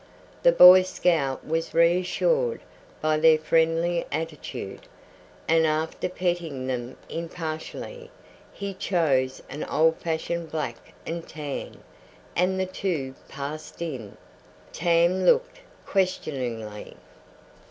The Boy Scout was reassured by their friendly attitude, and after petting them impartially, he chose an old fashioned black and tan, and the two passed in. Tam looked questioningly.